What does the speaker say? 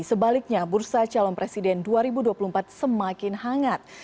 sebaliknya bursa calon presiden dua ribu dua puluh empat tidak pernah sepi